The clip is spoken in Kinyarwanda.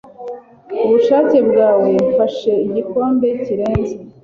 Ubushake bwawe Mfashe igikombe kirenze